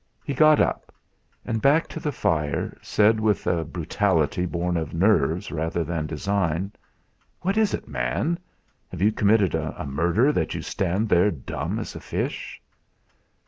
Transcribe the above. He got up, and, back to the fire, said with a brutality born of nerves rather than design: "What is it, man? Have you committed a murder, that you stand there dumb as a fish?"